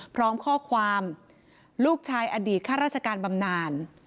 พร้อมข้อความลูกชายอดีตข้าราชการบำนาน